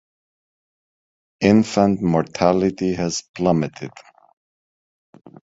Infant mortality has plummeted.